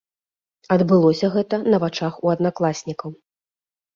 Адбылося гэта на вачах у аднакласнікаў.